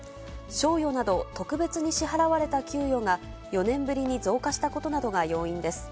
賞与など特別に支払われた給与が４年ぶりに増加したことなどが要因です。